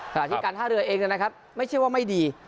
แต่ที่การท่าเรือเองไม่ใช่ว่าไม่ดี